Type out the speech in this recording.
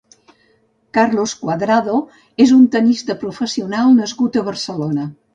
Carlos Cuadrado és un tennista professional nascut a Barcelona.